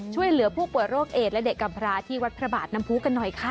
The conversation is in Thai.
ช่วยเหลือผู้ป่วยโรคเอดและเด็กกำพระที่วัดพระบาทน้ำพูกันหน่อยค่ะ